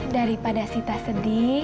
daripada sita sedih